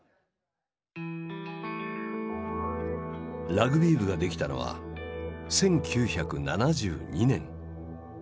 ラグビー部ができたのは１９７２年。